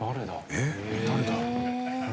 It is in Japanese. えっ誰だ？